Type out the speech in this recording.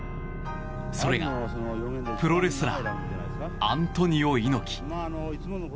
それが、プロレスラーアントニオ猪木。